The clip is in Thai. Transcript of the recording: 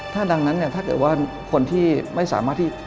ถ้าดังนั้นถ้าเกิดว่าคนที่ไม่สามารถ